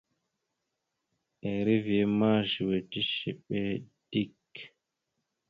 Eriveya ma zʉwe tishiɓe dik.